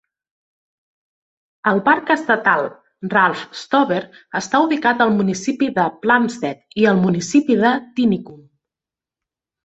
El Parc Estatal Ralph Stover està ubicat al municipi de Plumstead i al municipi de Tinicum.